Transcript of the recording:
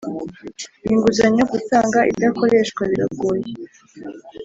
inguzanyo gutanga idakoreshwa biragoye